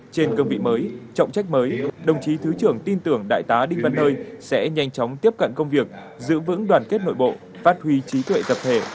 trên cương vị mới trọng trách mới đồng chí thứ trưởng tin tưởng đại tá đinh văn nơi sẽ nhanh chóng tiếp cận công việc giữ vững đoàn kết nội bộ phát huy trí tuệ tập thể